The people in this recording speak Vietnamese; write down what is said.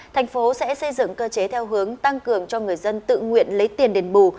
thành phố sẽ xây dựng cơ chế theo hướng tăng cường cho người dân tự nguyện lấy tiền đền bù